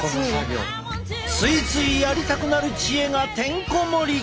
ついついやりたくなる知恵がてんこ盛り。